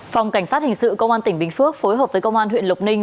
phòng cảnh sát hình sự công an tỉnh bình phước phối hợp với công an huyện lộc ninh